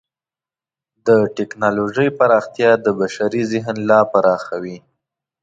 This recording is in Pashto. د ټکنالوجۍ پراختیا د بشري ذهن لا پراخوي.